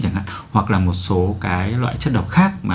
chẳng hạn hoặc là một số cái loại chất độc khác